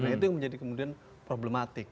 nah itu yang menjadi kemudian problematik